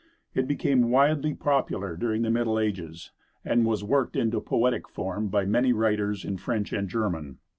It became widely popular during the middle ages, and was worked into poetic form by many writers in French and German.